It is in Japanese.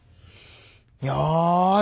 よし！